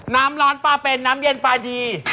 น้ำร้อนปลาเป็นน้ำเย็นปลาดี